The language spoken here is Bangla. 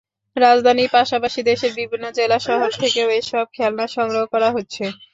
রাজধানীর পাশাপাশি দেশের বিভিন্ন জেলা শহর থেকেও এসব খেলনা সংগ্রহ করা হচ্ছে।